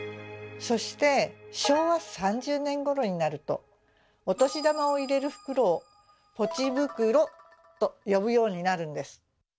そして昭和３０年ごろになるとお年玉を入れる袋を「ぽち袋」と呼ぶようになるんです。